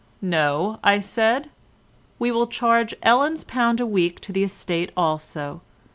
"No," said I, "we will charge Ellen's pound a week to the estate also.